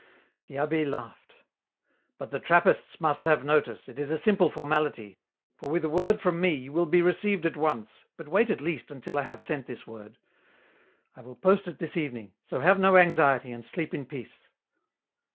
The abbd laughed. "But the Trappists must have notice, it is a simple formality, for with a word from me, you will be received at once, but wait at least until I have sent this word ; I will post it this evening, so have no anxiety, and sleep in peace."